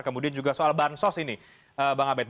kemudian juga soal bahan sos ini bang abed